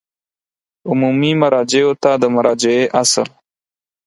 عمومي مراجعو ته د مراجعې اصل